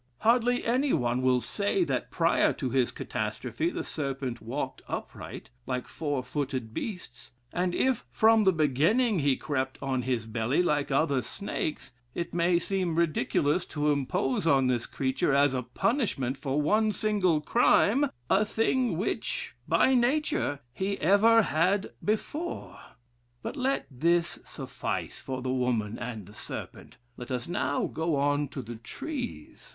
Hardly any one will say, that prior to his catastrophe the serpent walked upright, like four footed beasts; and if, from the beginning, he crept on his belly like other snakes, it may seem ridiculous to impose on this creature as a punishment for one single crime, a thing which, by nature, he ever had before. But let this suffice for the woman and serpent; let us now go on to the trees.